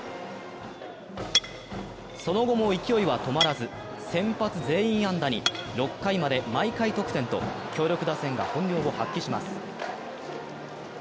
その後も勢いは止まらず、先発全員安打に６回まで毎回得点と強力打線が本領を発揮します。